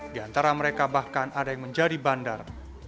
di antara mereka bahkan ada yang menjadi bandar